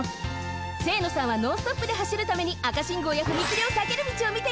清野さんはノンストップではしるために赤信号や踏切をさける道をみていたのね。